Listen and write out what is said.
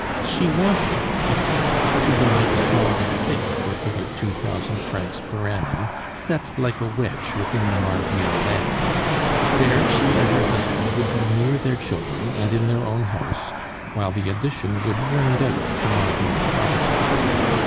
She wanted, she said, to buy a small estate worth about two thousand francs per annum set like a wedge within the Marville lands. There she and her husband would be near their children and in their own house, while the addition would round out the Marville property.